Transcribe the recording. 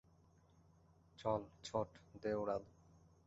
চল, ছোট, দে উড়াল!